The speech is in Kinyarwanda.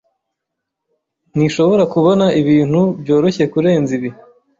Ntishobora kubona ibintu byoroshye kurenza ibi.